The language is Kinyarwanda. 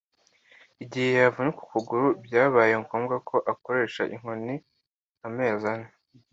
Igihe yavunika ukuguru, byabaye ngombwa ko akoresha inkoni amezi ane.